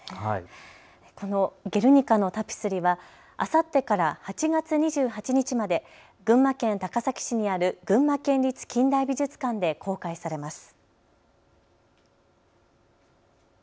このゲルニカのタピスリはあさってから８月２８日まで群馬県高崎市にある群馬県立近代美術館で公開されます。